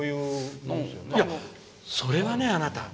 それはね、あなた！